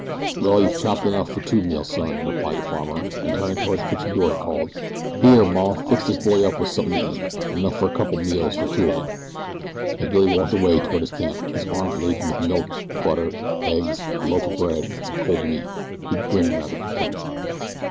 "Well, yew've chopped enough fer two meals, son," replied the farmer, and turning toward the kitchen door, he called: "Here, Maw, fix this boy up with suthin' t'eat enough fer a couple of meals fer two on 'em." As Billy walked away toward his camp, his arms laden with milk, butter, eggs, a loaf of bread and some cold meat, he grinned rather contentedly.